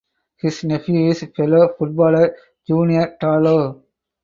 His nephew is fellow footballer Junior Tallo.